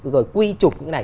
rồi quy trục những cái này